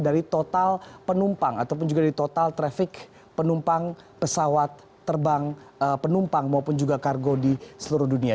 dari total penumpang ataupun juga dari total trafik penumpang pesawat terbang penumpang maupun juga kargo di seluruh dunia